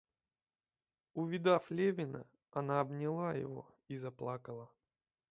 Увидав Левина, она обняла его и заплакала.